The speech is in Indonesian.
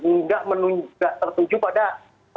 nggak tertuju pada